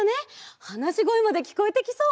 はなしごえまできこえてきそう！